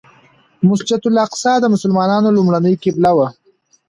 مسجد الاقصی د مسلمانانو لومړنۍ قبله وه.